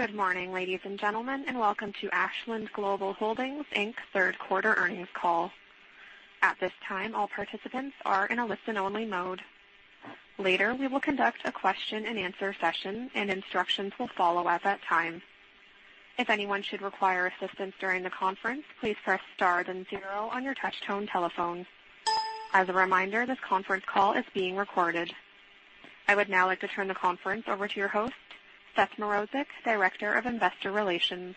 Good morning, ladies and gentlemen, and welcome to Ashland Global Holdings Inc.'s third quarter earnings call. At this time, all participants are in a listen-only mode. Later, we will conduct a question and answer session, and instructions will follow at that time. If anyone should require assistance during the conference, please press star then zero on your touch-tone telephone. As a reminder, this conference call is being recorded. I would now like to turn the conference over to your host, Seth Mrozek, Director of Investor Relations.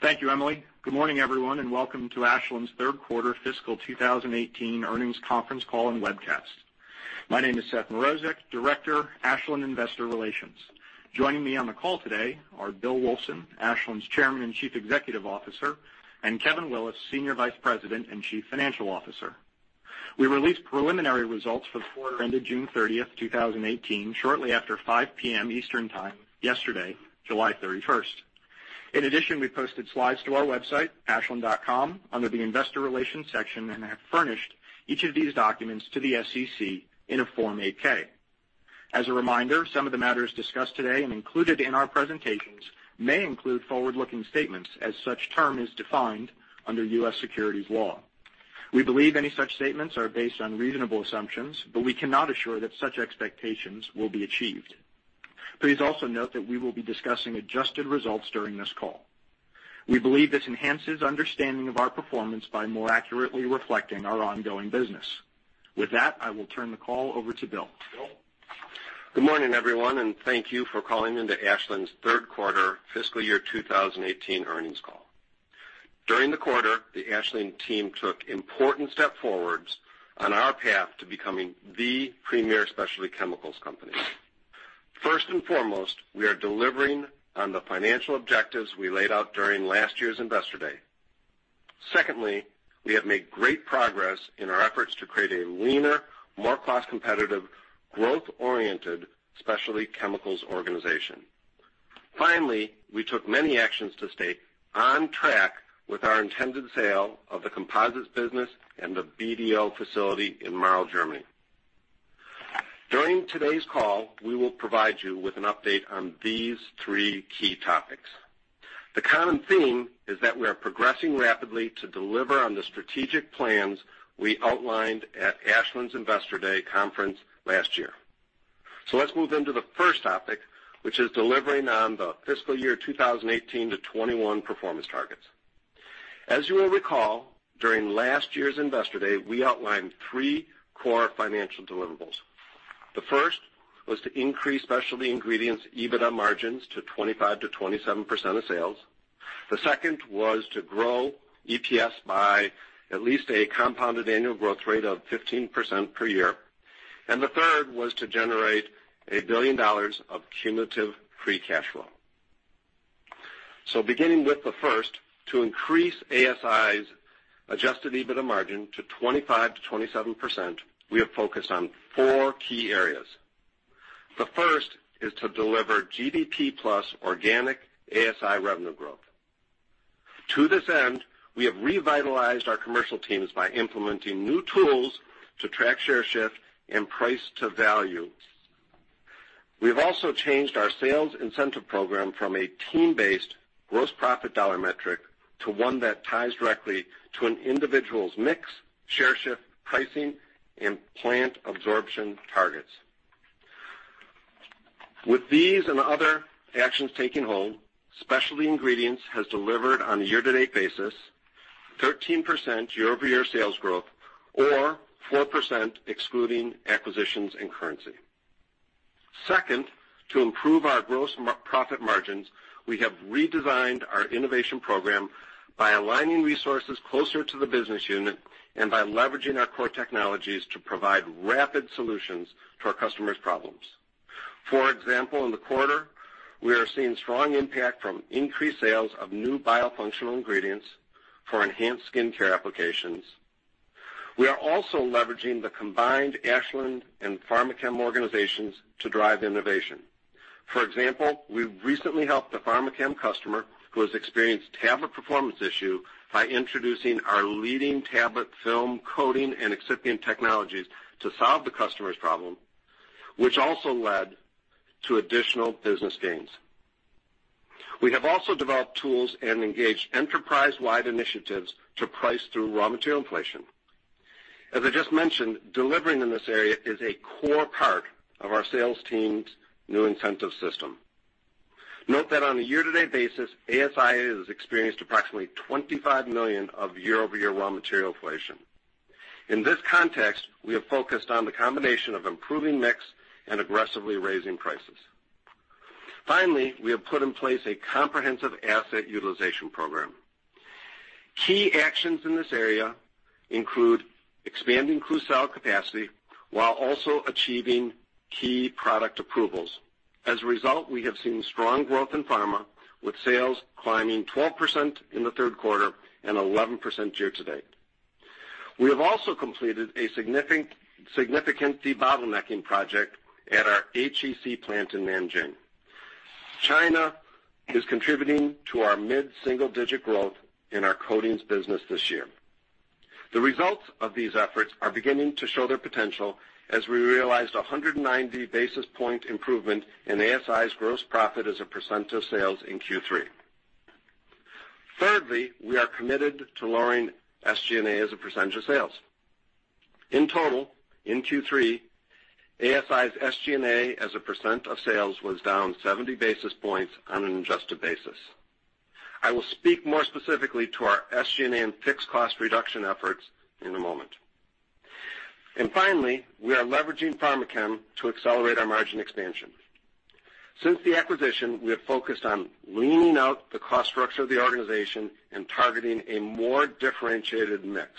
Thank you, Emily. Good morning, everyone, and welcome to Ashland's third quarter fiscal 2018 earnings conference call and webcast. My name is Seth Mrozek, Director, Ashland Investor Relations. Joining me on the call today are Bill Wulfsohn, Ashland's Chairman and Chief Executive Officer, and Kevin Willis, Senior Vice President and Chief Financial Officer. We released preliminary results for the quarter ended June 30, 2018, shortly after 5:00 P.M. Eastern Time yesterday, July 31st. In addition, we posted slides to our website, ashland.com, under the investor relations section and have furnished each of these documents to the SEC in a Form 8-K. As a reminder, some of the matters discussed today and included in our presentations may include forward-looking statements as such term is defined under U.S. securities law. We believe any such statements are based on reasonable assumptions, but we cannot assure that such expectations will be achieved. Please also note that we will be discussing adjusted results during this call. We believe this enhances understanding of our performance by more accurately reflecting our ongoing business. With that, I will turn the call over to Bill. Bill? Good morning, everyone, and thank you for calling into Ashland's third quarter fiscal year 2018 earnings call. During the quarter, the Ashland team took important step forwards on our path to becoming the premier specialty chemicals company. First and foremost, we are delivering on the financial objectives we laid out during last year's Investor Day. Secondly, we have made great progress in our efforts to create a leaner, more cost-competitive, growth-oriented, specialty chemicals organization. Finally, we took many actions to stay on track with our intended sale of the Composites business and the BDO facility in Marl, Germany. During today's call, we will provide you with an update on these three key topics. The common theme is that we are progressing rapidly to deliver on the strategic plans we outlined at Ashland's Investor Day conference last year. Let's move into the first topic, which is delivering on the fiscal year 2018-2021 performance targets. As you will recall, during last year's Investor Day, we outlined three core financial deliverables. The first was to increase Specialty Ingredients EBITDA margins to 25%-27% of sales. The second was to grow EPS by at least a compounded annual growth rate of 15% per year. The third was to generate $1 billion of cumulative free cash flow. Beginning with the first, to increase ASI's adjusted EBITDA margin to 25%-27%, we have focused on four key areas. The first is to deliver GDP plus organic ASI revenue growth. To this end, we have revitalized our commercial teams by implementing new tools to track share shift and price to value. We've also changed our sales incentive program from a team-based gross profit dollar metric to one that ties directly to an individual's mix, share shift, pricing, and plant absorption targets. With these and other actions taken whole, Specialty Ingredients has delivered on a year-to-date basis 13% year-over-year sales growth or 4% excluding acquisitions and currency. Second, to improve our gross profit margins, we have redesigned our innovation program by aligning resources closer to the business unit and by leveraging our core technologies to provide rapid solutions to our customers' problems. For example, in the quarter, we are seeing strong impact from increased sales of new biofunctional ingredients for enhanced skincare applications. We are also leveraging the combined Ashland and Pharmachem organizations to drive innovation. For example, we've recently helped a Pharmachem customer who has experienced tablet performance issue by introducing our leading tablet film coating and excipient technologies to solve the customer's problem, which also led to additional business gains. We have also developed tools and engaged enterprise-wide initiatives to price through raw material inflation. As I just mentioned, delivering in this area is a core part of our sales team's new incentive system. Note that on a year-to-date basis, ASI has experienced approximately $25 million of year-over-year raw material inflation. In this context, we have focused on the combination of improving mix and aggressively raising prices. Finally, we have put in place a comprehensive asset utilization program. Key actions in this area include expanding Klucel capacity while also achieving key product approvals. As a result, we have seen strong growth in pharma, with sales climbing 12% in the third quarter and 11% year to date. We have also completed a significant debottlenecking project at our HEC plant in Nanjing. China is contributing to our mid-single-digit growth in our coatings business this year. The results of these efforts are beginning to show their potential as we realized a 190 basis point improvement in ASI's gross profit as a % of sales in Q3. Thirdly, we are committed to lowering SG&A as a % of sales. In total, in Q3, ASI's SG&A as a % of sales was down 70 basis points on an adjusted basis. I will speak more specifically to our SG&A and fixed cost reduction efforts in a moment. Finally, we are leveraging Pharmachem to accelerate our margin expansion. Since the acquisition, we have focused on leaning out the cost structure of the organization and targeting a more differentiated mix.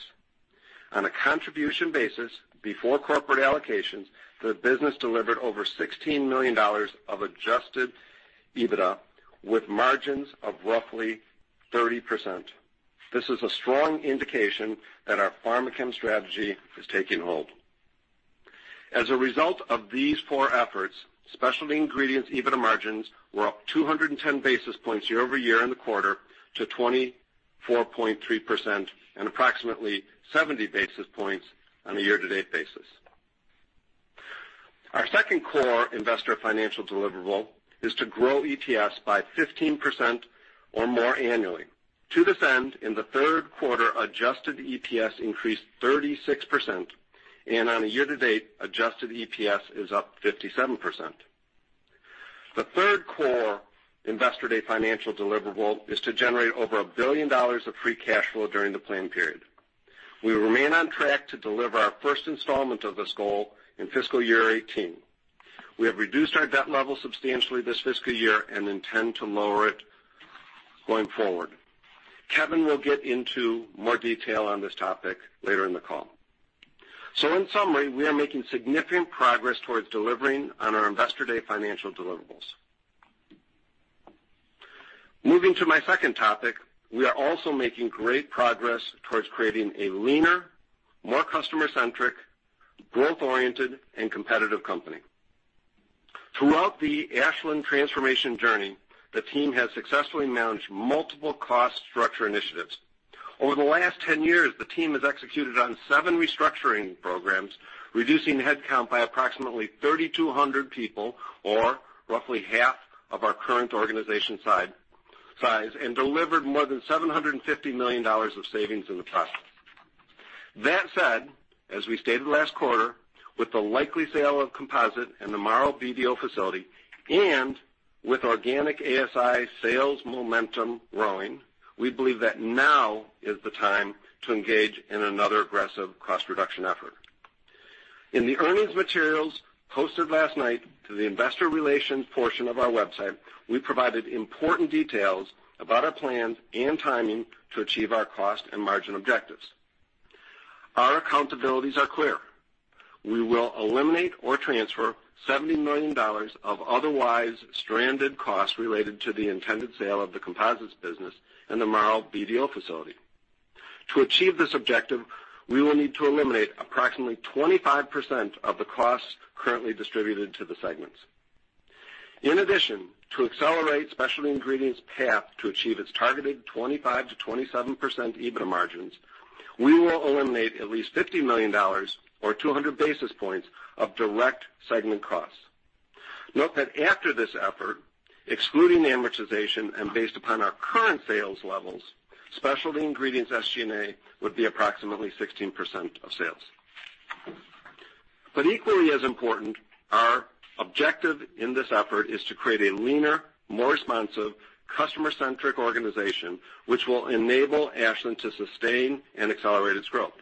On a contribution basis before corporate allocations, the business delivered over $16 million of adjusted EBITDA with margins of roughly 30%. This is a strong indication that our Pharmachem strategy is taking hold. As a result of these four efforts, Specialty Ingredients EBITDA margins were up 210 basis points year-over-year in the quarter to 24.3% and approximately 70 basis points on a year-to-date basis. Our second core investor financial deliverable is to grow EPS by 15% or more annually. In the third quarter, adjusted EPS increased 36%, and on a year-to-date, adjusted EPS is up 57%. The third core Investor Day financial deliverable is to generate over $1 billion of free cash flow during the plan period. We remain on track to deliver our first installment of this goal in fiscal year 2018. We have reduced our debt level substantially this fiscal year and intend to lower it going forward. Kevin will get into more detail on this topic later in the call. In summary, we are making significant progress towards delivering on our Investor Day financial deliverables. Moving to my second topic, we are also making great progress towards creating a leaner, more customer-centric, growth-oriented, and competitive company. Throughout the Ashland transformation journey, the team has successfully managed multiple cost structure initiatives. Over the last 10 years, the team has executed on seven restructuring programs, reducing headcount by approximately 3,200 people, or roughly half of our current organization size, and delivered more than $750 million of savings in the process. That said, as we stated last quarter, with the likely sale of Composites and the Marl BDO facility, and with organic ASI sales momentum growing, we believe that now is the time to engage in another aggressive cost reduction effort. In the earnings materials posted last night to the Investor Relations portion of our website, we provided important details about our plans and timing to achieve our cost and margin objectives. Our accountabilities are clear. We will eliminate or transfer $70 million of otherwise stranded costs related to the intended sale of the Composites business and the Marl BDO facility. To achieve this objective, we will need to eliminate approximately 25% of the costs currently distributed to the segments. In addition, to accelerate Specialty Ingredients path to achieve its targeted 25%-27% EBITDA margins, we will eliminate at least $50 million or 200 basis points of direct segment costs. Note that after this effort, excluding amortization and based upon our current sales levels, Specialty Ingredients SG&A would be approximately 16% of sales. Equally as important, our objective in this effort is to create a leaner, more responsive, customer-centric organization which will enable Ashland to sustain and accelerate its growth.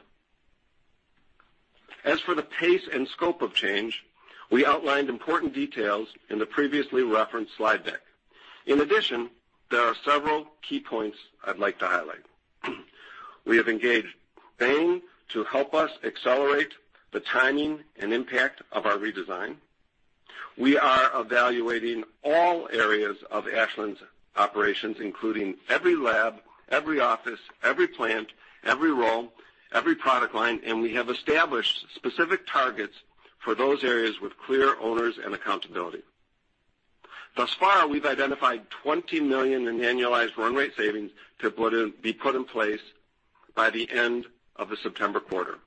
As for the pace and scope of change, we outlined important details in the previously referenced slide deck. In addition, there are several key points I'd like to highlight. We have engaged Bain to help us accelerate the timing and impact of our redesign. We are evaluating all areas of Ashland's operations, including every lab, every office, every plant, every role, every product line, and we have established specific targets for those areas with clear owners and accountability. Thus far, we've identified $20 million in annualized run rate savings to be put in place by the end of the September quarter.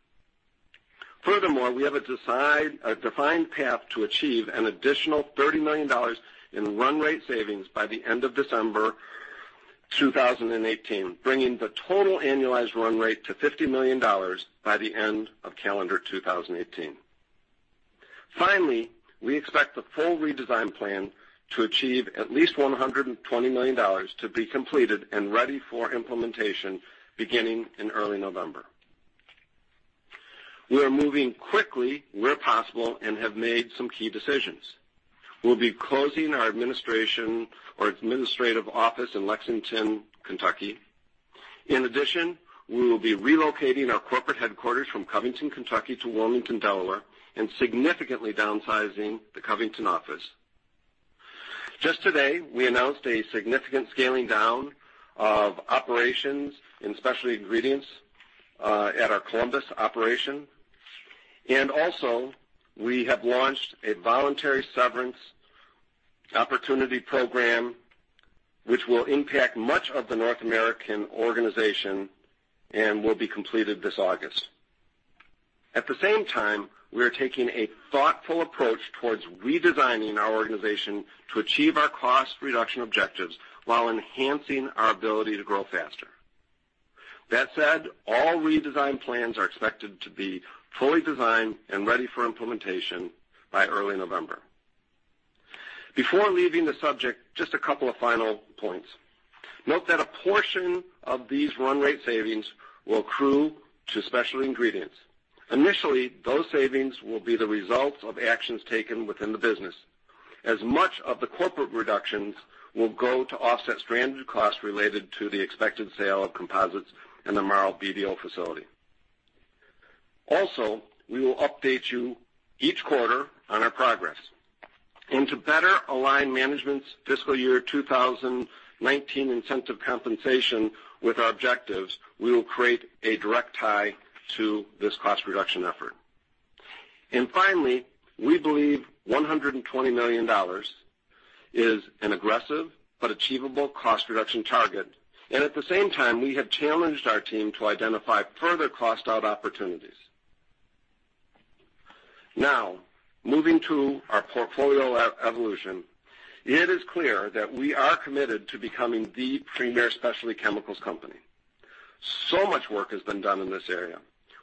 Furthermore, we have a defined path to achieve an additional $30 million in run rate savings by the end of December 2018, bringing the total annualized run rate to $50 million by the end of calendar 2018. Finally, we expect the full redesign plan to achieve at least $120 million to be completed and ready for implementation beginning in early November. We are moving quickly where possible and have made some key decisions. We'll be closing our administrative office in Lexington, Kentucky. In addition, we will be relocating our corporate headquarters from Covington, Kentucky, to Wilmington, Delaware, and significantly downsizing the Covington office. Just today, we announced a significant scaling down of operations in Specialty Ingredients at our Columbus operation. Also, we have launched a voluntary severance opportunity program, which will impact much of the North American organization and will be completed this August. At the same time, we are taking a thoughtful approach towards redesigning our organization to achieve our cost reduction objectives while enhancing our ability to grow faster. That said, all redesign plans are expected to be fully designed and ready for implementation by early November. Before leaving the subject, just a couple of final points. Note that a portion of these run rate savings will accrue to Specialty Ingredients. Initially, those savings will be the result of actions taken within the business, as much of the corporate reductions will go to offset stranded costs related to the expected sale of Composites in the Marl BDO facility. We will update you each quarter on our progress. To better align management's fiscal year 2019 incentive compensation with our objectives, we will create a direct tie to this cost reduction effort. Finally, we believe $120 million is an aggressive but achievable cost reduction target. At the same time, we have challenged our team to identify further cost out opportunities. Now, moving to our portfolio evolution, it is clear that we are committed to becoming the premier specialty chemicals company. So much work has been done in this area.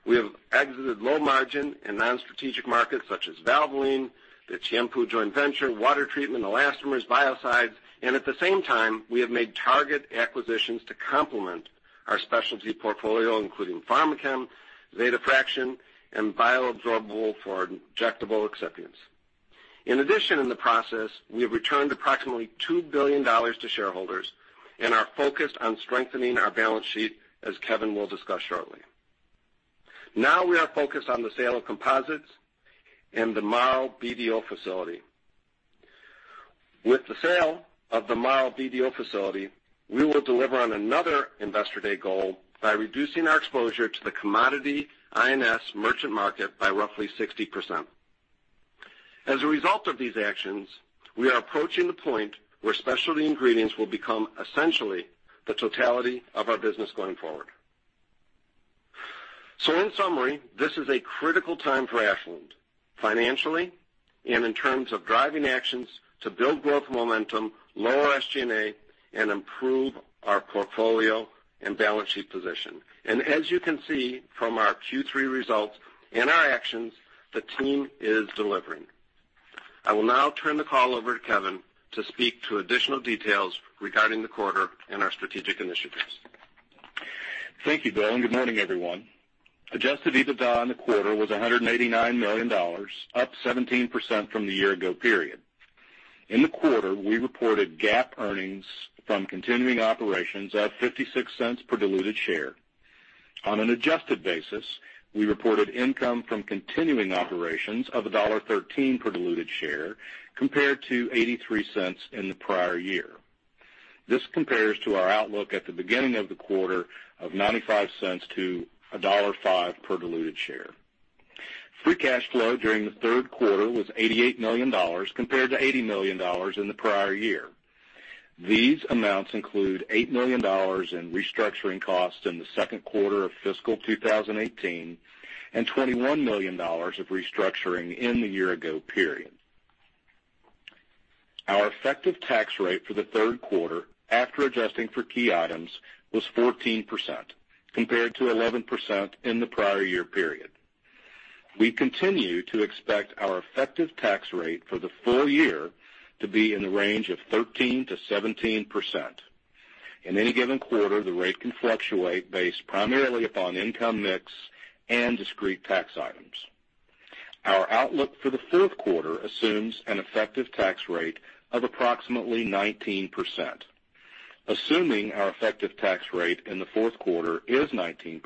We have exited low margin and non-strategic markets such as Valvoline, the Tianpu joint venture, water treatment, elastomers, biocides. At the same time, we have made target acquisitions to complement our specialty portfolio, including Pharmachem, Zeta Fraction, and bioabsorbable for injectable excipients. In addition, in the process, we have returned approximately $2 billion to shareholders and are focused on strengthening our balance sheet, as Kevin will discuss shortly. Now we are focused on the sale of Composites in the Marl BDO facility. With the sale of the Marl BDO facility, we will deliver on another Investor Day goal by reducing our exposure to the commodity I&S merchant market by roughly 60%. As a result of these actions, we are approaching the point where Specialty Ingredients will become essentially the totality of our business going forward. In summary, this is a critical time for Ashland, financially and in terms of driving actions to build growth momentum, lower SG&A, and improve our portfolio and balance sheet position. As you can see from our Q3 results and our actions, the team is delivering. I will now turn the call over to Kevin to speak to additional details regarding the quarter and our strategic initiatives. Thank you, Bill, good morning, everyone. Adjusted EBITDA in the quarter was $189 million, up 17% from the year ago period. In the quarter, we reported GAAP earnings from continuing operations of $0.56 per diluted share. On an adjusted basis, we reported income from continuing operations of $1.13 per diluted share compared to $0.83 in the prior year. This compares to our outlook at the beginning of the quarter of $0.95 to $1.05 per diluted share. Free cash flow during the third quarter was $88 million compared to $80 million in the prior year. These amounts include $8 million in restructuring costs in the second quarter of fiscal 2018, and $21 million of restructuring in the year ago period. Our effective tax rate for the third quarter, after adjusting for key items, was 14% compared to 11% in the prior year period. We continue to expect our effective tax rate for the full year to be in the range of 13%-17%. In any given quarter, the rate can fluctuate based primarily upon income mix and discrete tax items. Our outlook for the fourth quarter assumes an effective tax rate of approximately 19%. Assuming our effective tax rate in the fourth quarter is 19%,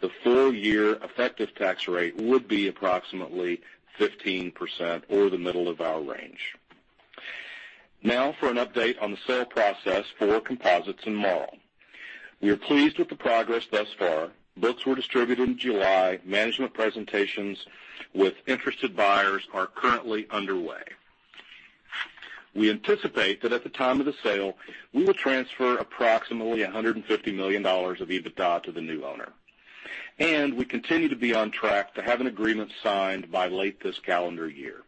the full-year effective tax rate would be approximately 15% or the middle of our range. For an update on the sale process for Composites in Marl. We are pleased with the progress thus far. Books were distributed in July. Management presentations with interested buyers are currently underway. We anticipate that at the time of the sale, we will transfer approximately $150 million of EBITDA to the new owner, we continue to be on track to have an agreement signed by late this calendar year.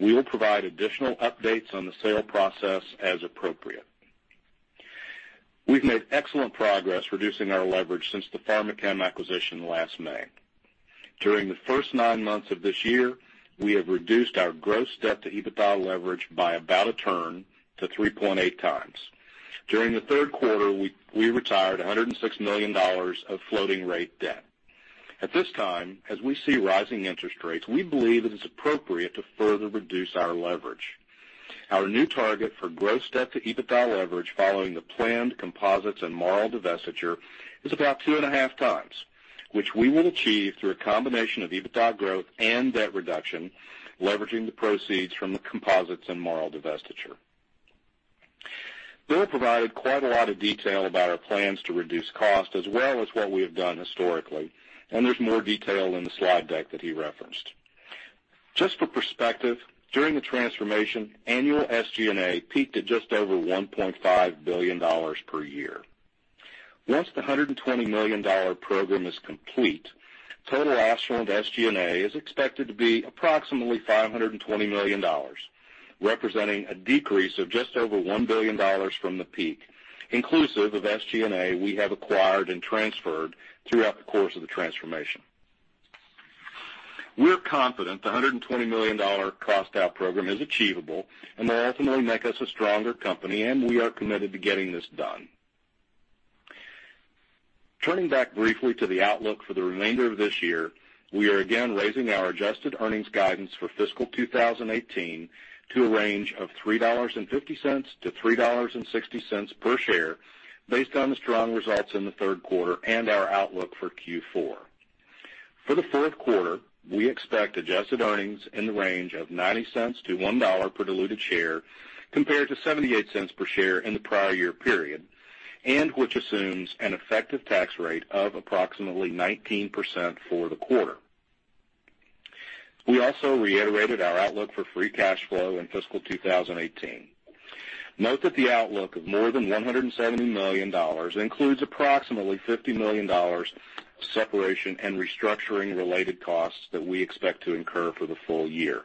We will provide additional updates on the sale process as appropriate. We've made excellent progress reducing our leverage since the Pharmachem acquisition last May. During the first nine months of this year, we have reduced our gross debt to EBITDA leverage by about a turn to 3.8 times. During the third quarter, we retired $106 million of floating rate debt. At this time, as we see rising interest rates, we believe it is appropriate to further reduce our leverage. Our new target for gross debt to EBITDA leverage following the planned Composites and Marl divestiture is about two and a half times, which we will achieve through a combination of EBITDA growth and debt reduction, leveraging the proceeds from the Composites and Marl divestiture. Bill provided quite a lot of detail about our plans to reduce cost as well as what we have done historically. There's more detail in the slide deck that he referenced. Just for perspective, during the transformation, annual SG&A peaked at just over $1.5 billion per year. Once the $120 million program is complete, total Ashland SG&A is expected to be approximately $520 million, representing a decrease of just over $1 billion from the peak, inclusive of SG&A we have acquired and transferred throughout the course of the transformation. We're confident the $120 million cost out program is achievable and will ultimately make us a stronger company. We are committed to getting this done. Turning back briefly to the outlook for the remainder of this year, we are again raising our adjusted earnings guidance for fiscal 2018 to a range of $3.50-$3.60 per share based on the strong results in the third quarter and our outlook for Q4. For the fourth quarter, we expect adjusted earnings in the range of $0.90-$1 per diluted share compared to $0.78 per share in the prior year period, which assumes an effective tax rate of approximately 19% for the quarter. We also reiterated our outlook for free cash flow in fiscal 2018. Note that the outlook of more than $170 million includes approximately $50 million of separation and restructuring related costs that we expect to incur for the full year.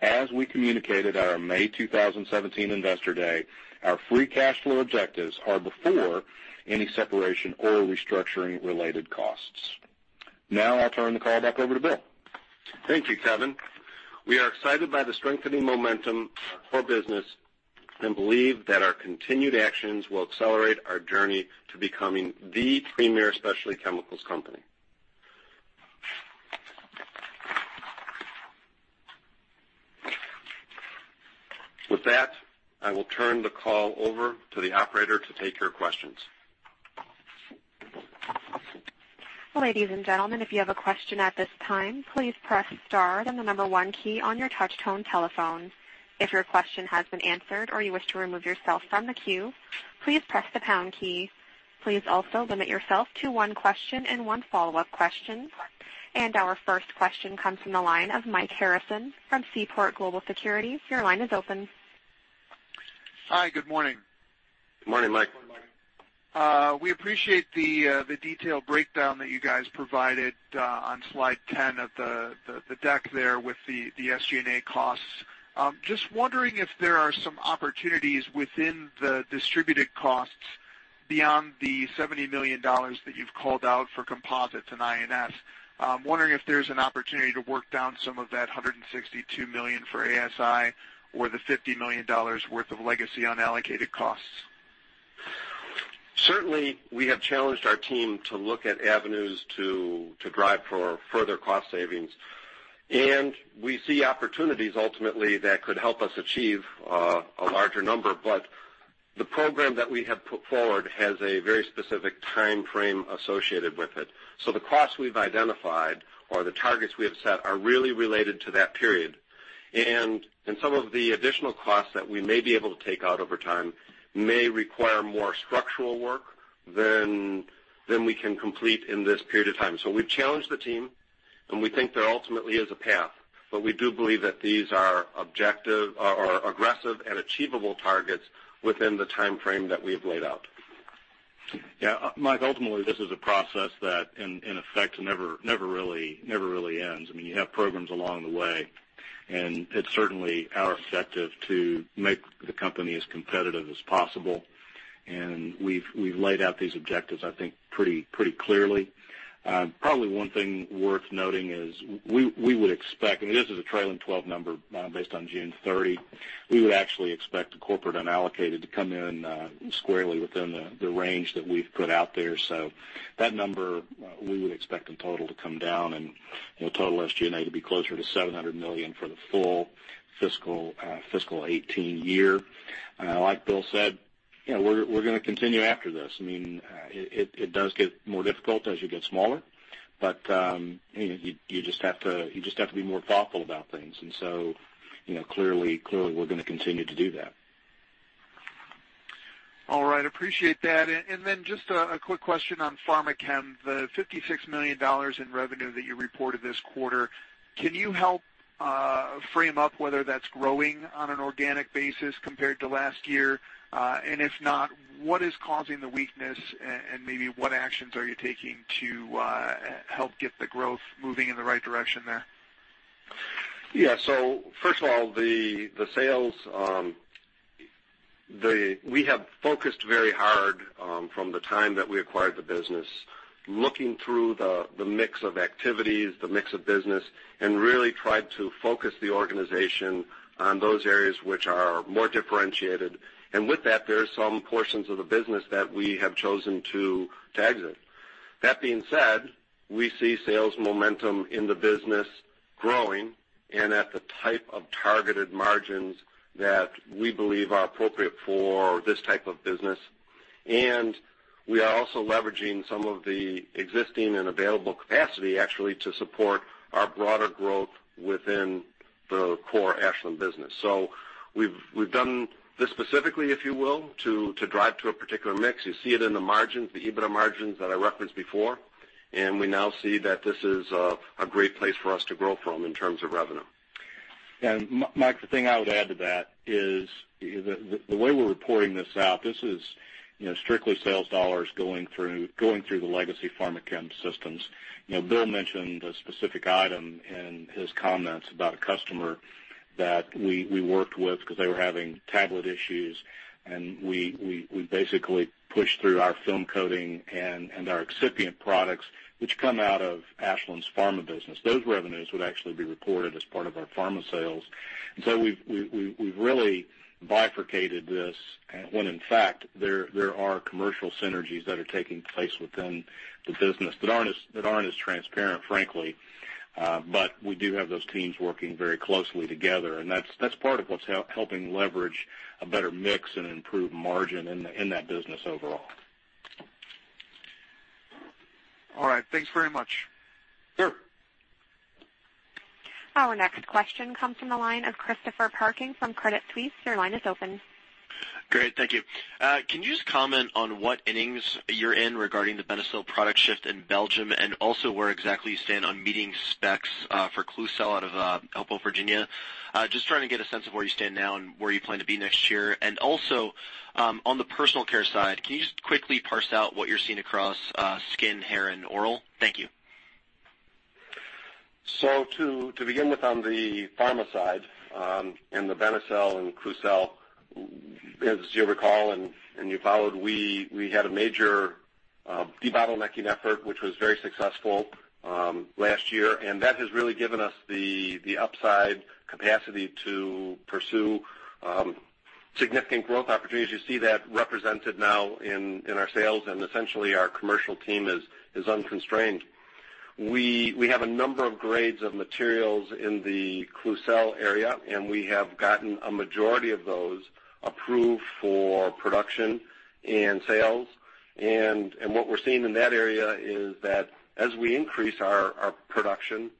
As we communicated at our May 2017 Investor Day, our free cash flow objectives are before any separation or restructuring related costs. I'll turn the call back over to Bill. Thank you, Kevin. We are excited by the strengthening momentum of our core business and believe that our continued actions will accelerate our journey to becoming the premier specialty chemicals company. I will turn the call over to the operator to take your questions. Ladies and gentlemen, if you have a question at this time, please press star then the number one key on your touch-tone telephone. If your question has been answered or you wish to remove yourself from the queue, please press the pound key. Please also limit yourself to one question and one follow-up question. Our first question comes from the line of Mike Harrison from Seaport Global Securities. Your line is open. Hi. Good morning. Good morning, Mike. We appreciate the detailed breakdown that you guys provided on slide 10 of the deck there with the SG&A costs. Just wondering if there are some opportunities within the distributed costs beyond the $70 million that you've called out for Composites and I&S. Wondering if there's an opportunity to work down some of that $162 million for ASI or the $50 million worth of legacy unallocated costs. Certainly, we have challenged our team to look at avenues to drive for further cost savings. We see opportunities ultimately that could help us achieve a larger number. The program that we have put forward has a very specific timeframe associated with it. The costs we've identified or the targets we have set are really related to that period. Some of the additional costs that we may be able to take out over time may require more structural work than we can complete in this period of time. We've challenged the team, and we think there ultimately is a path, but we do believe that these are aggressive and achievable targets within the timeframe that we have laid out. Mike, ultimately, this is a process that in effect never really ends. You have programs along the way, it's certainly our objective to make the company as competitive as possible. We've laid out these objectives, I think, pretty clearly. Probably one thing worth noting is we would expect, and this is a trailing 12 number based on June 30. We would actually expect the corporate unallocated to come in squarely within the range that we've put out there. That number, we would expect in total to come down and total SG&A to be closer to $700 million for the full fiscal 2018 year. Like Bill said, we're going to continue after this. It does get more difficult as you get smaller. You just have to be more thoughtful about things. Clearly, we're going to continue to do that. All right. Appreciate that. Just a quick question on Pharmachem. The $56 million in revenue that you reported this quarter, can you help frame up whether that's growing on an organic basis compared to last year? If not, what is causing the weakness and maybe what actions are you taking to help get the growth moving in the right direction there? First of all, the sales. We have focused very hard from the time that we acquired the business, looking through the mix of activities, the mix of business, really tried to focus the organization on those areas which are more differentiated. With that, there are some portions of the business that we have chosen to exit. That being said, we see sales momentum in the business growing at the type of targeted margins that we believe are appropriate for this type of business. We are also leveraging some of the existing and available capacity actually to support our broader growth within the core Ashland business. We've done this specifically, if you will, to drive to a particular mix. You see it in the margins, the EBITDA margins that I referenced before, and we now see that this is a great place for us to grow from in terms of revenue. Mike, the thing I would add to that is the way we're reporting this out, this is strictly sales dollars going through the legacy Pharmachem systems. Bill mentioned a specific item in his comments about a customer that we worked with because they were having tablet issues, and we basically pushed through our film coating and our excipient products, which come out of Ashland's pharma business. Those revenues would actually be reported as part of our pharma sales. We've really bifurcated this when in fact, there are commercial synergies that are taking place within the business that aren't as transparent, frankly. We do have those teams working very closely together, and that's part of what's helping leverage a better mix and improve margin in that business overall. All right. Thanks very much. Sure. Our next question comes from the line of Christopher Parkinson from Credit Suisse. Your line is open. Great. Thank you. Can you just comment on what innings you're in regarding the Benecel product shift in Belgium, and also where exactly you stand on meeting specs for Klucel out of Hopewell, Virginia? Just trying to get a sense of where you stand now and where you plan to be next year. On the personal care side, can you just quickly parse out what you're seeing across skin, hair, and oral? Thank you. To begin with, on the pharma side, the Benecel and Klucel, as you recall and you followed, we had a major debottlenecking effort, which was very successful last year, that has really given us the upside capacity to pursue significant growth opportunities. You see that represented now in our sales, essentially our commercial team is unconstrained. We have a number of grades of materials in the Klucel area, we have gotten a majority of those approved for production and sales. What we're seeing in that area is that as we increase our production,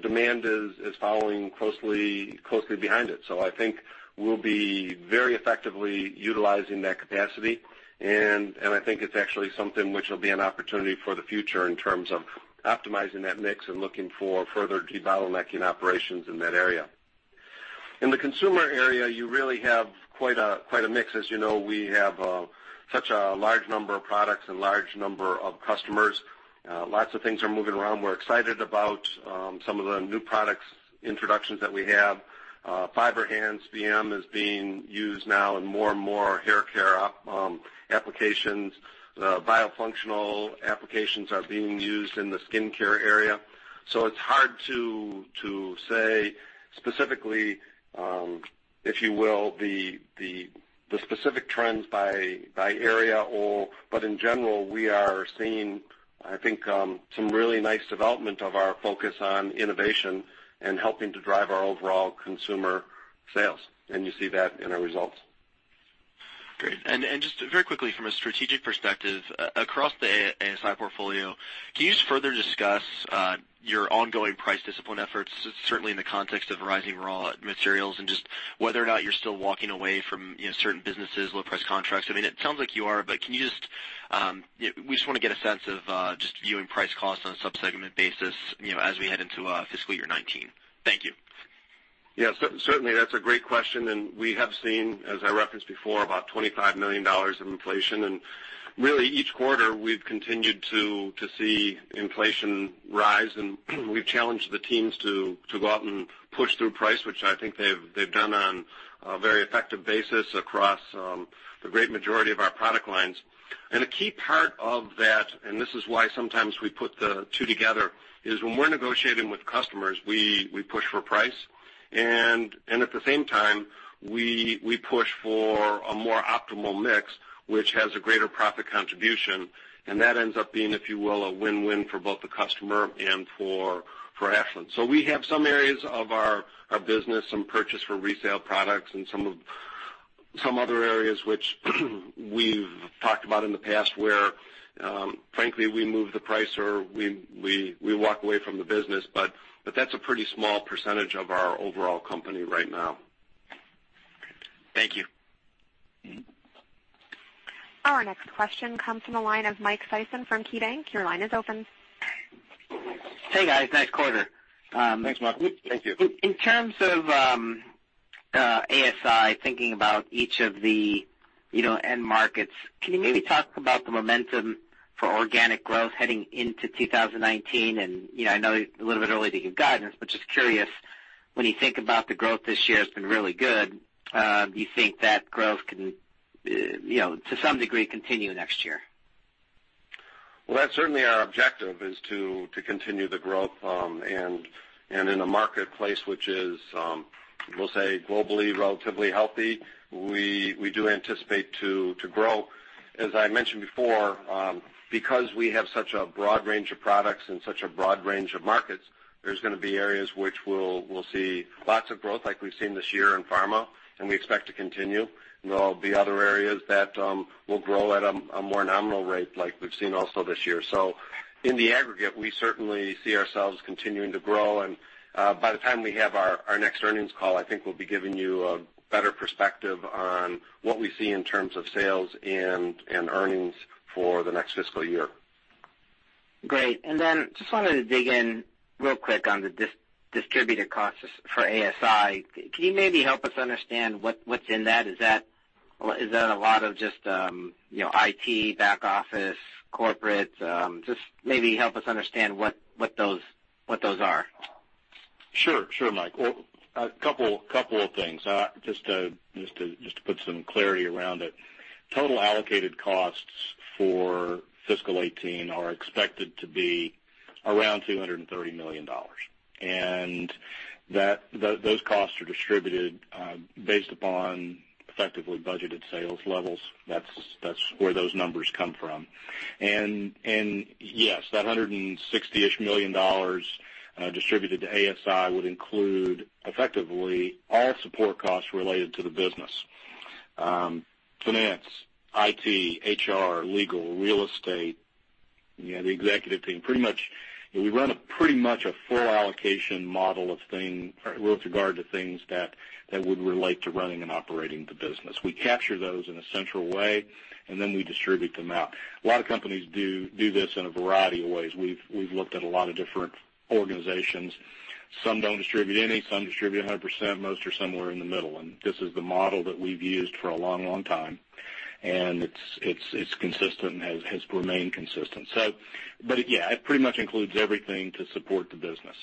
demand is following closely behind it. I think we'll be very effectively utilizing that capacity, I think it's actually something which will be an opportunity for the future in terms of optimizing that mix and looking for further debottlenecking operations in that area. In the consumer area, you really have quite a mix. As you know, we have such a large number of products and large number of customers. Lots of things are moving around. We're excited about some of the new product introductions that we have. FiberHance bm is being used now in more and more hair care applications. Biofunctional applications are being used in the skincare area. It's hard to say specifically, if you will, the specific trends by area, but in general, we are seeing, I think, some really nice development of our focus on innovation and helping to drive our overall consumer sales. You see that in our results. Great. Just very quickly, from a strategic perspective, across the ASI portfolio, can you just further discuss your ongoing price discipline efforts, certainly in the context of rising raw materials and just whether or not you're still walking away from certain businesses, low price contracts? It sounds like you are, we just want to get a sense of just viewing price cost on a sub-segment basis as we head into fiscal year 2019. Thank you. Yeah. Certainly, that's a great question. We have seen, as I referenced before, about $25 million of inflation. Really each quarter, we've continued to see inflation rise. We've challenged the teams to go out and push through price, which I think they've done on a very effective basis across the great majority of our product lines. A key part of that, and this is why sometimes we put the two together, is when we're negotiating with customers, we push for price, and at the same time, we push for a more optimal mix, which has a greater profit contribution, and that ends up being, if you will, a win-win for both the customer and for Ashland. We have some areas of our business, some purchase for resale products, and some other areas which we've talked about in the past where, frankly, we move the price or we walk away from the business. That's a pretty small percentage of our overall company right now. Thank you. Our next question comes from the line of Michael Sison from KeyBanc. Your line is open. Hey, guys, nice quarter. Thanks, Mike. Thank you. In terms of ASI, thinking about each of the end markets, can you maybe talk about the momentum for organic growth heading into 2019? I know it's a little bit early to give guidance, but just curious, when you think about the growth this year has been really good, do you think that growth can, to some degree, continue next year? Well, that's certainly our objective is to continue the growth. In a marketplace which is, we'll say, globally relatively healthy, we do anticipate to grow. As I mentioned before, because we have such a broad range of products and such a broad range of markets, there's going to be areas which we'll see lots of growth like we've seen this year in pharma We expect to continue. There'll be other areas that will grow at a more nominal rate like we've seen also this year. In the aggregate, we certainly see ourselves continuing to grow. By the time we have our next earnings call, I think we'll be giving you a better perspective on what we see in terms of sales and earnings for the next fiscal year. Great. Then just wanted to dig in real quick on the distributor costs for ASI. Can you maybe help us understand what's in that? Is that a lot of just IT, back office, corporate? Just maybe help us understand what those are. Sure, Mike. Well, a couple of things just to put some clarity around it. Total allocated costs for fiscal 2018 are expected to be around $230 million. Those costs are distributed based upon effectively budgeted sales levels. That's where those numbers come from. Yes, that $160-ish million distributed to ASI would include, effectively, all support costs related to the business. Finance, IT, HR, legal, real estate, the executive team. We run a pretty much a full allocation model with regard to things that would relate to running and operating the business. We capture those in a central way. Then we distribute them out. A lot of companies do this in a variety of ways. We've looked at a lot of different organizations. Some don't distribute any. Some distribute 100%. Most are somewhere in the middle. This is the model that we've used for a long time, and it's consistent and has remained consistent. Yeah, it pretty much includes everything to support the business.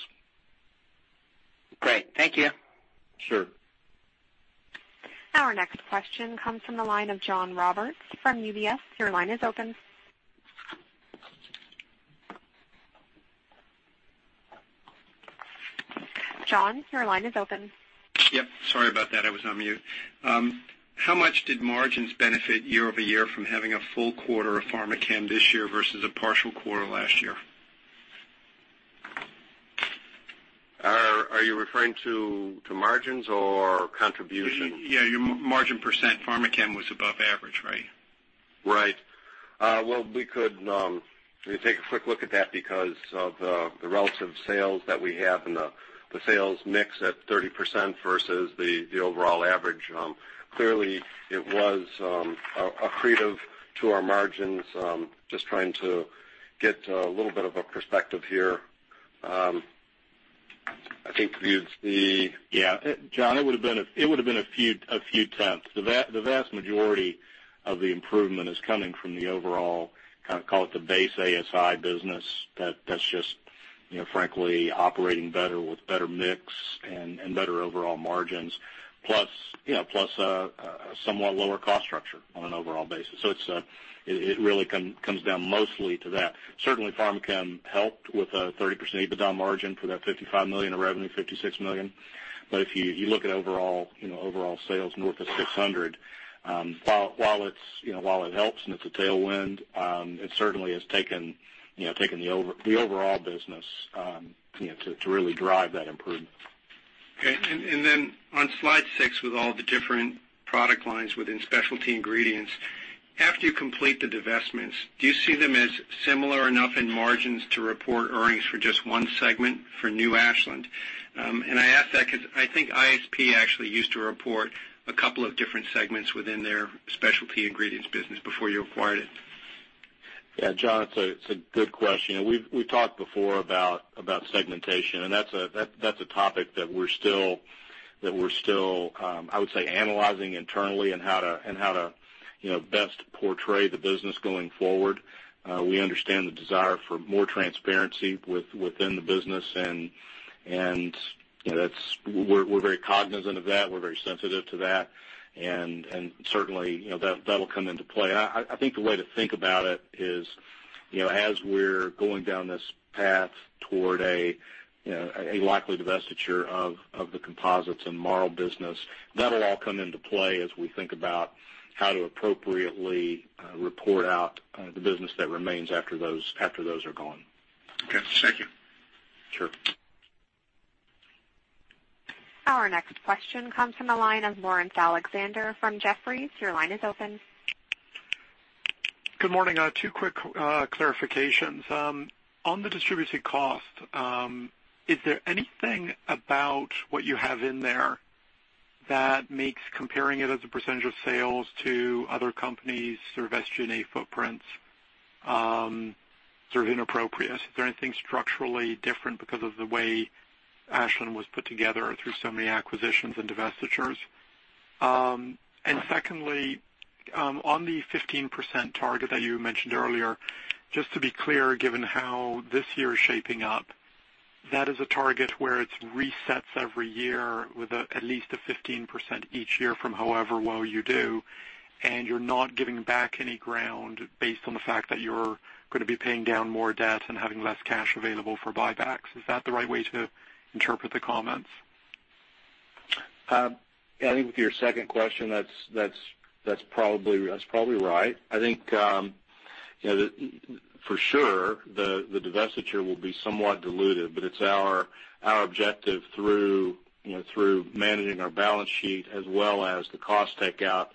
Great. Thank you. Sure. Our next question comes from the line of John Roberts from UBS. Your line is open. John, your line is open. Yep. Sorry about that. I was on mute. How much did margins benefit year-over-year from having a full quarter of Pharmachem this year versus a partial quarter last year? Are you referring to margins or contribution? Yeah, your margin %. Pharmachem was above average, right? Right. Well, we could take a quick look at that because of the relative sales that we have and the sales mix at 30% versus the overall average. Clearly, it was accretive to our margins. Just trying to get a little bit of a perspective here. I think you'd see Yeah, John, it would've been a few tenths. The vast majority of the improvement is coming from the overall, call it the base ASI business that's just frankly operating better with better mix and better overall margins plus a somewhat lower cost structure on an overall basis. It really comes down mostly to that. Certainly, Pharmachem helped with a 30% EBITDA margin for that $55 million of revenue, $56 million. If you look at overall sales north of $600, while it helps and it's a tailwind, it certainly has taken the overall business to really drive that improvement. Okay. Then on slide six with all the different product lines within Specialty Ingredients, after you complete the divestments, do you see them as similar enough in margins to report earnings for just one segment for new Ashland? I ask that because I think ISP actually used to report a couple of different segments within their Specialty Ingredients business before you acquired it. Yeah, John, it's a good question. We've talked before about segmentation, that's a topic that we're still, I would say, analyzing internally and how to best portray the business going forward. We understand the desire for more transparency within the business, we're very cognizant of that. We're very sensitive to that, certainly, that'll come into play. I think the way to think about it is as we're going down this path toward a likely divestiture of the Composites and Marl business, that'll all come into play as we think about how to appropriately report out the business that remains after those are gone. Okay. Thank you. Sure. Our next question comes from the line of Laurence Alexander from Jefferies. Your line is open. Good morning. Two quick clarifications. On the distributed cost, is there anything about what you have in there that makes comparing it as a percentage of sales to other companies through SG&A footprints sort of inappropriate? Is there anything structurally different because of the way Ashland was put together through so many acquisitions and divestitures? Secondly, on the 15% target that you mentioned earlier, just to be clear, given how this year is shaping up, that is a target where it resets every year with at least a 15% each year from however well you do, and you're not giving back any ground based on the fact that you're going to be paying down more debt and having less cash available for buybacks. Is that the right way to interpret the comments? I think with your second question, that's probably right. I think For sure, the divestiture will be somewhat diluted, but it's our objective through managing our balance sheet as well as the cost takeout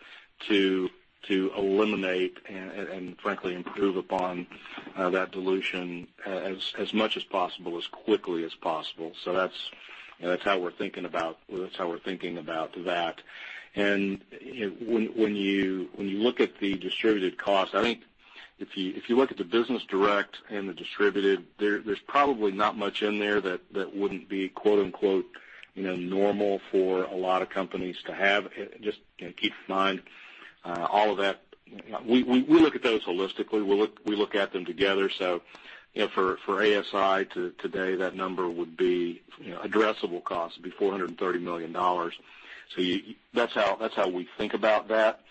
to eliminate and frankly improve upon that dilution as much as possible, as quickly as possible. That's how we're thinking about that. When you look at the distributed cost, I think if you look at the business direct and the distributed, there's probably not much in there that wouldn't be "normal" for a lot of companies to have. Just keep in mind, all of that. We look at those holistically. We look at them together. For ASI, today, that number would be addressable cost, it'd be $430 million. That's how we think about that.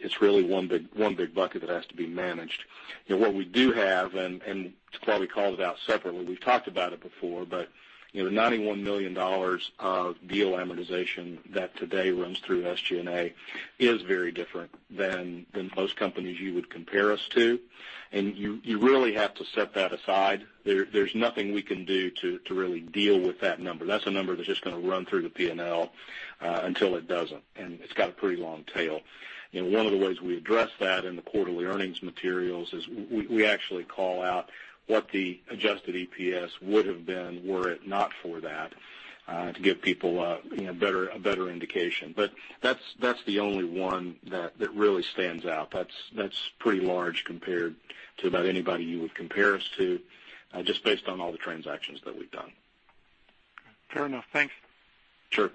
It's really one big bucket that has to be managed. What we do have, and it's why we called it out separately, we've talked about it before, but the $91 million of deal amortization that today runs through SG&A is very different than most companies you would compare us to. You really have to set that aside. There's nothing we can do to really deal with that number. That's a number that's just going to run through the P&L, until it doesn't, and it's got a pretty long tail. One of the ways we address that in the quarterly earnings materials is we actually call out what the adjusted EPS would've been were it not for that, to give people a better indication. That's the only one that really stands out. That's pretty large compared to about anybody you would compare us to, just based on all the transactions that we've done. Fair enough. Thanks. Sure.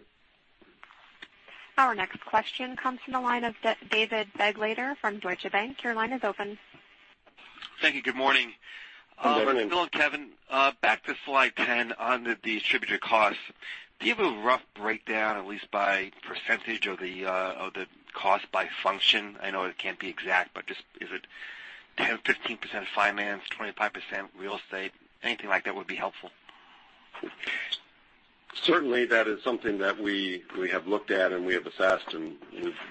Our next question comes from the line of David Begleiter from Deutsche Bank. Your line is open. Thank you. Good morning. Good morning. Bill and Kevin, back to slide 10 on the distributed costs. Do you have a rough breakdown, at least by percentage of the cost by function? I know it can't be exact, but just is it 10%, 15% finance, 25% real estate? Anything like that would be helpful. Certainly, that is something that we have looked at, and we have assessed, and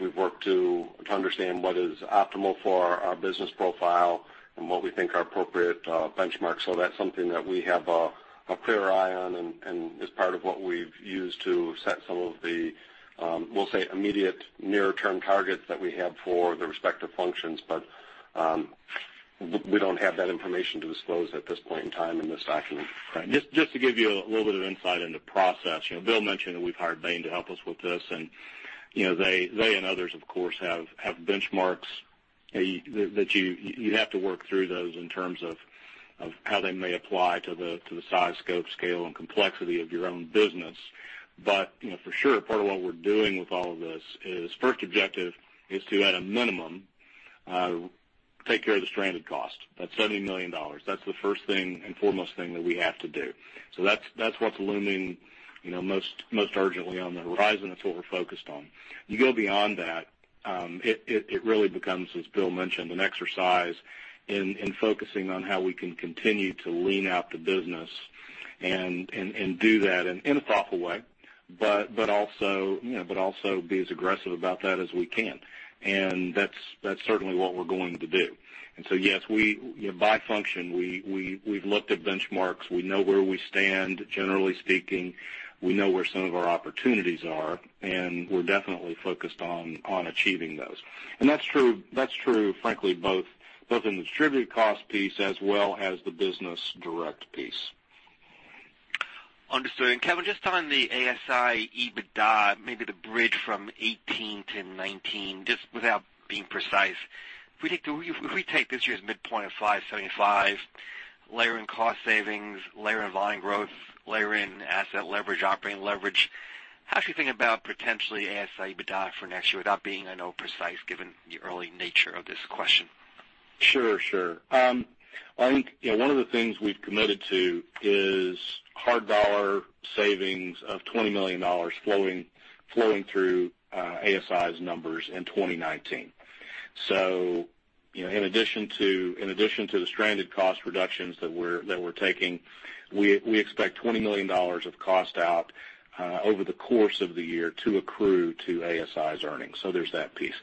we've worked to understand what is optimal for our business profile and what we think are appropriate benchmarks. That's something that we have a clear eye on and is part of what we've used to set some of the, we'll say, immediate near-term targets that we have for the respective functions. We don't have that information to disclose at this point in time in this document. Just to give you a little bit of insight into process. Bill mentioned that we've hired Bain to help us with this, and they and others of course, have benchmarks that you have to work through those in terms of how they may apply to the size, scope, scale, and complexity of your own business. For sure, part of what we're doing with all of this is first objective is to, at a minimum, take care of the stranded cost. That's $70 million. That's the first thing and foremost thing that we have to do. That's what's looming most urgently on the horizon. That's what we're focused on. You go beyond that, it really becomes, as Bill mentioned, an exercise in focusing on how we can continue to lean out the business and do that in a thoughtful way. Also be as aggressive about that as we can. That's certainly what we're going to do. Yes, by function, we've looked at benchmarks. We know where we stand, generally speaking. We know where some of our opportunities are, and we're definitely focused on achieving those. That's true, frankly, both in the distributed cost piece as well as the business direct piece. Understood. Kevin, just on the ASI EBITDA, maybe to bridge from 2018 to 2019, just without being precise. If we take this year's midpoint of $575, layer in cost savings, layer in volume growth, layer in asset leverage, operating leverage, how should we think about potentially ASI EBITDA for next year? Without being, I know, precise given the early nature of this question. Sure. I think one of the things we've committed to is hard dollar savings of $20 million flowing through ASI's numbers in 2019. In addition to the stranded cost reductions that we're taking, we expect $20 million of cost out over the course of the year to accrue to ASI's earnings. There's that piece.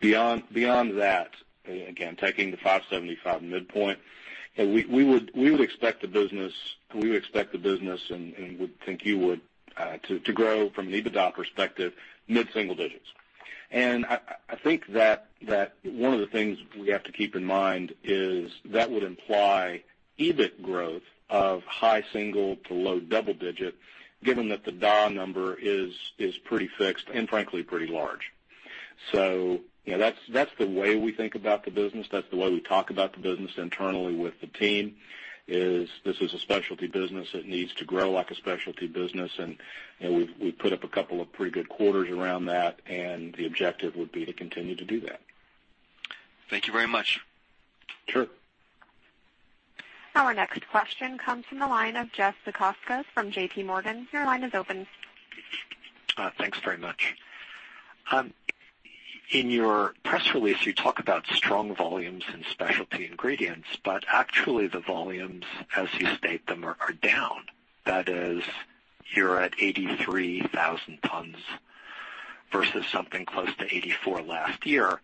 Beyond that, again, taking the $575 midpoint, we would expect the business, and would think you would too, to grow from an EBITDA perspective, mid-single digits. I think that one of the things we have to keep in mind is that would imply EBIT growth of high single to low double digit, given that the D&A number is pretty fixed and frankly, pretty large. That's the way we think about the business. That's the way we talk about the business internally with the team, is this is a specialty business. It needs to grow like a specialty business, we've put up a couple of pretty good quarters around that, the objective would be to continue to do that. Thank you very much. Sure. Our next question comes from the line of Jeffrey Zekauskas from JPMorgan. Your line is open. Thanks very much. In your press release, you talk about strong volumes in Specialty Ingredients. Actually, the volumes, as you state them, are down. That is, you're at 83,000 tons versus something close to 84 last year,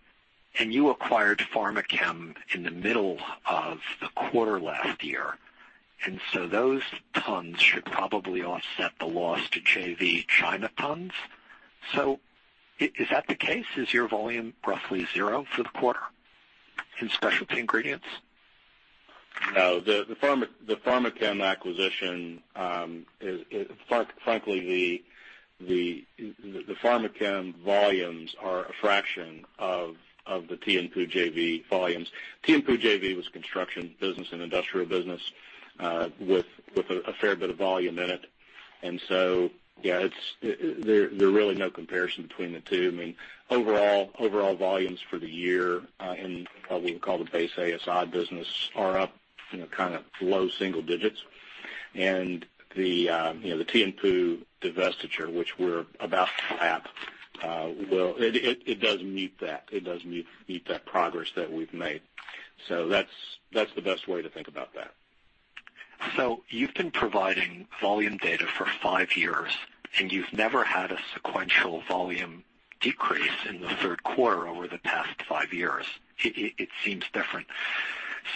and you acquired Pharmachem in the middle of the quarter last year. Those tons should probably offset the loss to JV China tons. Is that the case? Is your volume roughly zero for the quarter in Specialty Ingredients? No. The Pharmachem volumes are a fraction of the Tianpu JV volumes. Tianpu JV was construction business and industrial business, with a fair bit of volume in it. Yeah, there are really no comparison between the two. Overall volumes for the year, in what we would call the base ASI business are up low single digits. The Tianpu divestiture, which we're about to [lap], it does mute that. It does mute that progress that we've made. That's the best way to think about that. You've been providing volume data for five years, and you've never had a sequential volume decrease in the third quarter over the past five years. It seems different.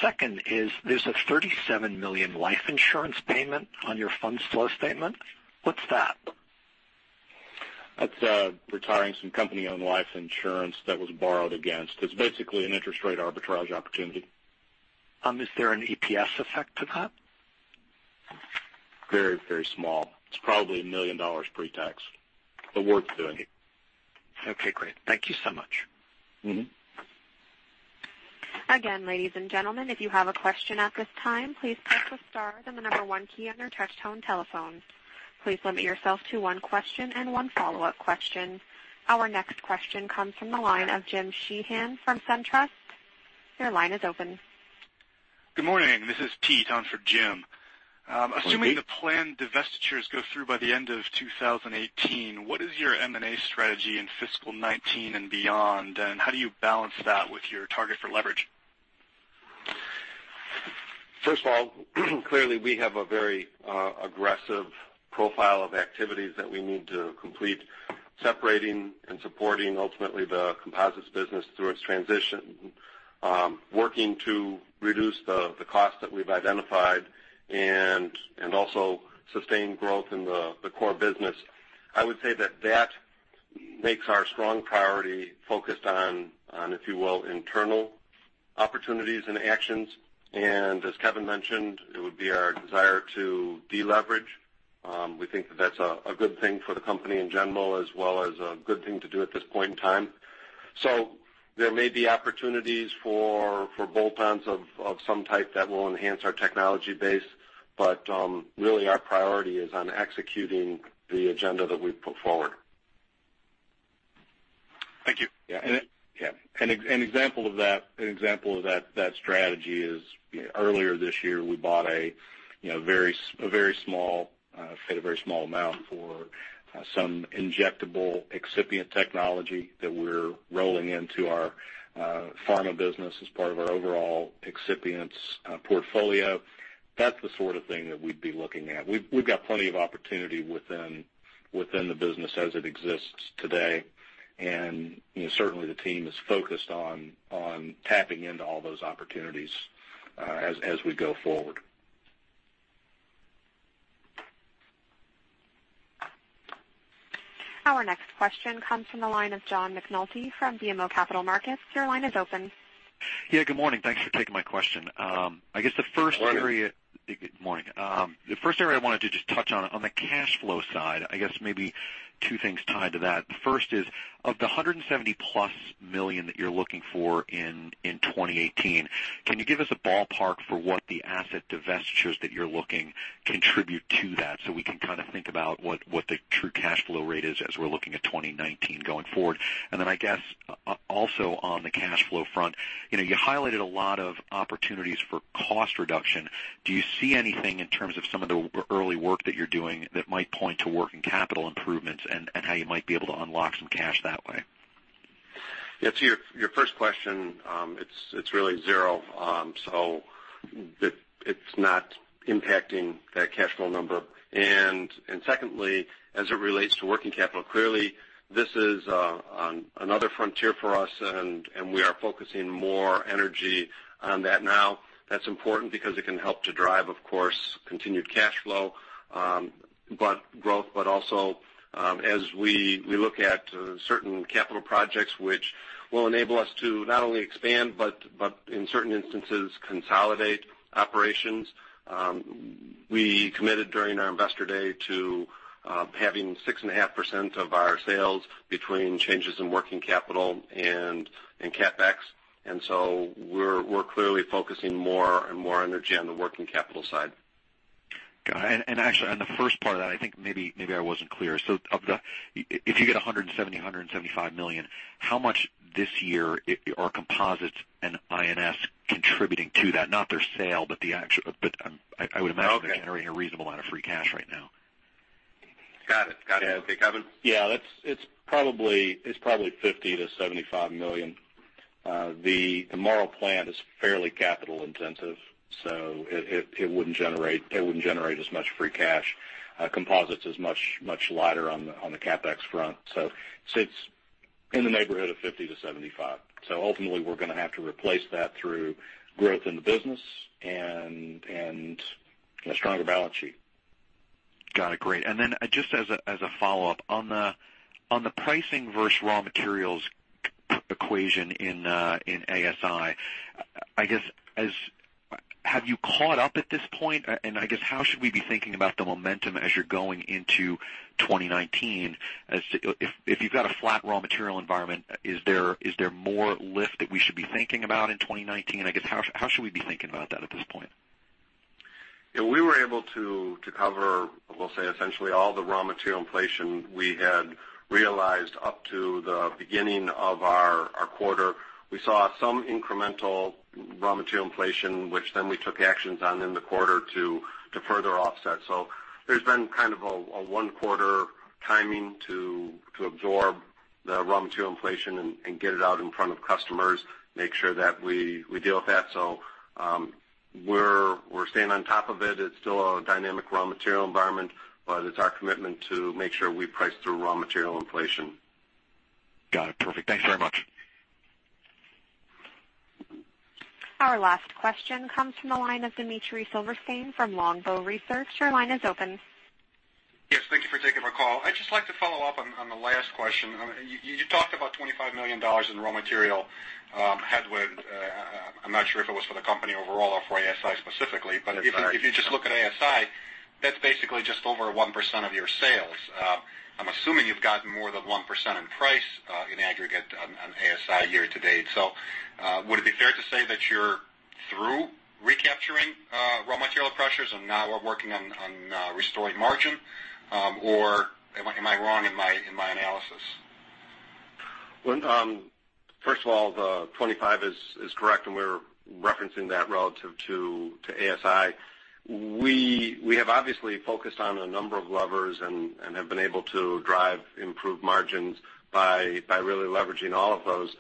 Second is there's a $37 million life insurance payment on your funds flow statement. What's that? That's retiring some company-owned life insurance that was borrowed against. It's basically an interest rate arbitrage opportunity. Is there an EPS effect to that? Very small. It's probably $1 million pre-tax, but worth doing. Okay, great. Thank you so much. Mm-hmm. Again, ladies and gentlemen, if you have a question at this time, please press the star then the number 1 key on your touchtone telephone. Please limit yourself to one question and one follow-up question. Our next question comes from the line of Jim Sheehan from SunTrust. Your line is open. Good morning. This is Pete on for Jim. Morning, Pete. Assuming the planned divestitures go through by the end of 2018, what is your M&A strategy in fiscal 2019 and beyond, how do you balance that with your target for leverage? First of all, clearly, we have a very aggressive profile of activities that we need to complete, separating and supporting, ultimately, the Composites business through its transition, working to reduce the cost that we've identified, also sustain growth in the core business. I would say that makes our strong priority focused on, if you will, internal opportunities and actions. As Kevin mentioned, it would be our desire to deleverage. We think that that's a good thing for the company in general, as well as a good thing to do at this point in time. There may be opportunities for bolt-ons of some type that will enhance our technology base, really our priority is on executing the agenda that we've put forward. Thank you. Yeah. An example of that strategy is earlier this year, we paid a very small amount for some injectable excipient technology that we're rolling into our pharma business as part of our overall excipients portfolio. That's the sort of thing that we'd be looking at. We've got plenty of opportunity within the business as it exists today. Certainly the team is focused on tapping into all those opportunities as we go forward. Our next question comes from the line of John McNulty from BMO Capital Markets. Your line is open. Yeah, good morning. Thanks for taking my question. Good morning. Good morning. The first area I wanted to just touch on the cash flow side, maybe two things tied to that. The first is of the $170 million-plus that you're looking for in 2018, can you give us a ballpark for what the asset divestitures that you're looking contribute to that so we can think about what the true cash flow rate is as we're looking at 2019 going forward? Then, I guess, also on the cash flow front, you highlighted a lot of opportunities for cost reduction. Do you see anything in terms of some of the early work that you're doing that might point to working capital improvements and how you might be able to unlock some cash that way? Yeah. To your first question, it's really zero. It's not impacting that cash flow number. Secondly, as it relates to working capital, clearly this is another frontier for us, and we are focusing more energy on that now. That's important because it can help to drive, of course, continued cash flow growth, but also as we look at certain capital projects, which will enable us to not only expand but in certain instances, consolidate operations. We committed during our investor day to having 6.5% of our sales between changes in working capital and CapEx. We're clearly focusing more and more energy on the working capital side. Got it. Actually, on the first part of that, I think maybe I wasn't clear. If you get $170 million-$175 million, how much this year are Composites and I&S contributing to that? Not their sale, but I would imagine- Okay They're generating a reasonable amount of free cash right now. Got it. Okay, Kevin? Yeah, it's probably $50 million-$75 million. The Marl plant is fairly capital intensive, it wouldn't generate as much free cash. Composites is much lighter on the CapEx front. It's in the neighborhood of $50 million-$75 million. Ultimately, we're going to have to replace that through growth in the business and a stronger balance sheet. Got it. Great. Then just as a follow-up, on the pricing versus raw materials equation in ASI, I guess, have you caught up at this point? I guess how should we be thinking about the momentum as you're going into 2019? If you've got a flat raw material environment, is there more lift that we should be thinking about in 2019? I guess how should we be thinking about that at this point? Yeah. We were able to cover, we'll say essentially all the raw material inflation we had realized up to the beginning of our quarter. We saw some incremental raw material inflation, which then we took actions on in the quarter to further offset. There's been kind of a one-quarter timing to absorb the raw material inflation and get it out in front of customers, make sure that we deal with that. We're staying on top of it. It's still a dynamic raw material environment, but it's our commitment to make sure we price through raw material inflation. Got it. Perfect. Thanks very much. Our last question comes from the line of Dmitry Silversteyn from Longbow Research. Your line is open. Yes, thank you for taking my call. I'd just like to follow up on the last question. You talked about $25 million in raw material headwind. I'm not sure if it was for the company overall or for ASI specifically. It's ASI if you just look at ASI, that's basically just over 1% of your sales. I'm assuming you've gotten more than 1% in price in aggregate on ASI year to date. Would it be fair to say that you're through recapturing raw material pressures and now are working on restoring margin? Am I wrong in my analysis? First of all, the 25 is correct, and we're referencing that relative to ASI. We have obviously focused on a number of levers and have been able to drive improved margins by really leveraging all of those.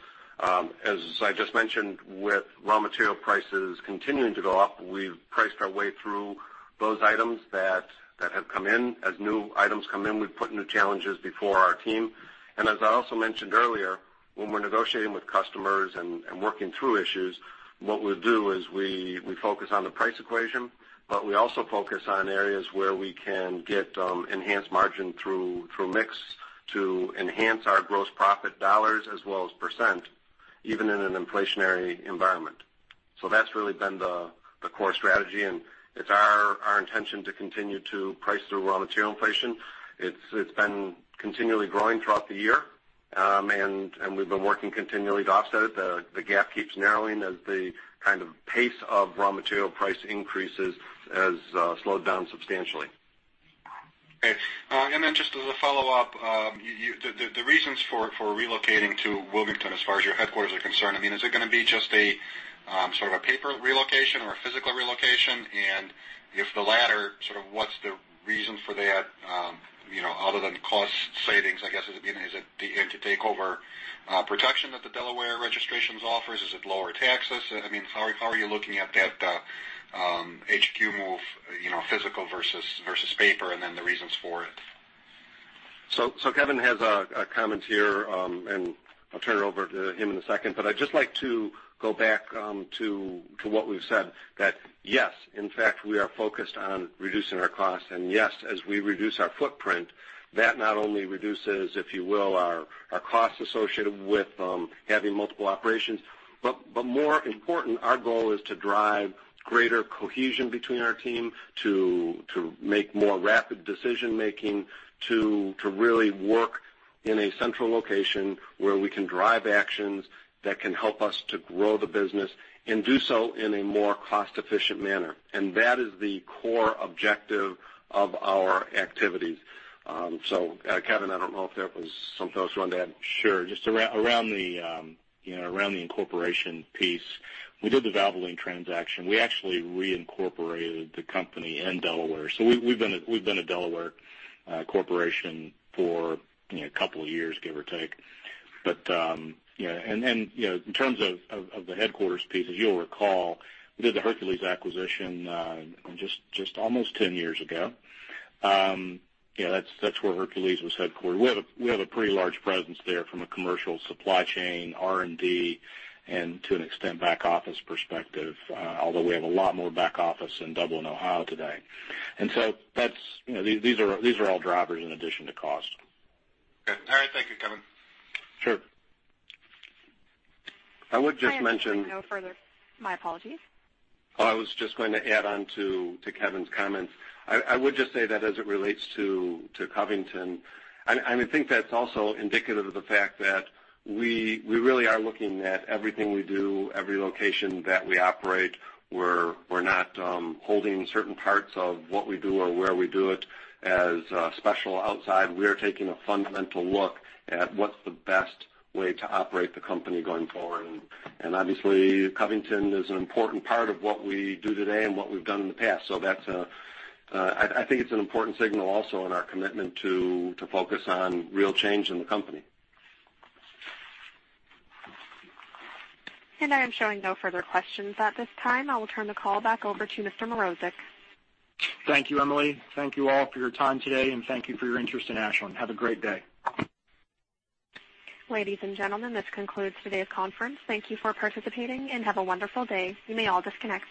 As I just mentioned, with raw material prices continuing to go up, we've priced our way through those items that have come in. As new items come in, we've put new challenges before our team. As I also mentioned earlier, when we're negotiating with customers and working through issues, what we'll do is we focus on the price equation, but we also focus on areas where we can get enhanced margin through mix to enhance our gross profit dollars as well as %, even in an inflationary environment. That's really been the core strategy, and it's our intention to continue to price through raw material inflation. It's been continually growing throughout the year, and we've been working continually to offset it. The gap keeps narrowing as the kind of pace of raw material price increases has slowed down substantially. Okay. Just as a follow-up, the reasons for relocating to Wilmington as far as your headquarters are concerned, I mean, is it going to be just a sort of a paper relocation or a physical relocation? If the latter, sort of what's the reason for that other than cost savings, I guess. Is it to take over protection that the Delaware registrations offers? Is it lower taxes? I mean, how are you looking at that HQ move, physical versus paper, and then the reasons for it? Kevin has a comment here, and I'll turn it over to him in a second. I'd just like to go back to what we've said, that yes, in fact, we are focused on reducing our costs, and yes, as we reduce our footprint, that not only reduces, if you will, our costs associated with having multiple operations. More important, our goal is to drive greater cohesion between our team to make more rapid decision-making, to really work in a central location where we can drive actions that can help us to grow the business and do so in a more cost-efficient manner. That is the core objective of our activities. Kevin, I don't know if there was something else you wanted to add. Sure. Just around the incorporation piece. We did the Valvoline transaction. We actually reincorporated the company in Delaware. We've been a Delaware corporation for a couple of years, give or take. In terms of the headquarters piece, as you'll recall, we did the Hercules acquisition just almost 10 years ago. That's where Hercules was headquartered. We have a pretty large presence there from a commercial supply chain, R&D, and to an extent, back office perspective. Although we have a lot more back office in Dublin, Ohio today. These are all drivers in addition to cost. Okay. All right. Thank you, Kevin. Sure. I would just mention. I am showing no further. My apologies. I was just going to add on to Kevin's comments. I would just say that as it relates to Covington, I think that's also indicative of the fact that we really are looking at everything we do, every location that we operate. We're not holding certain parts of what we do or where we do it as special outside. We are taking a fundamental look at what's the best way to operate the company going forward. Obviously, Covington is an important part of what we do today and what we've done in the past. I think it's an important signal also in our commitment to focus on real change in the company. I am showing no further questions at this time. I will turn the call back over to Mr. Mrozek. Thank you, Emily. Thank you all for your time today, and thank you for your interest in Ashland. Have a great day. Ladies and gentlemen, this concludes today's conference. Thank you for participating and have a wonderful day. You may all disconnect now.